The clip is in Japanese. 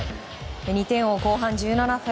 ２点を追う後半１７分。